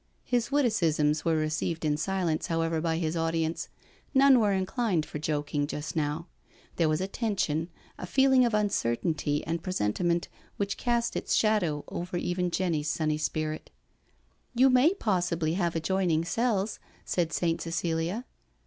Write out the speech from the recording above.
His witticisms were received in silence, however, by his audience. None were inclined for joking just now. There was a tension, a feeling of uncertainty and pre sentiment, which cast its shadow over even Jenny's sunny spirit. " You may possibly have adjoining cells," said Saint Cecilia.